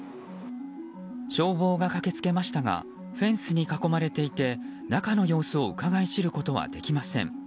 消防が駆けつけましたがフェンスに囲まれていて中の様子をうかがい知ることはできません。